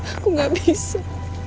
aku gak bisa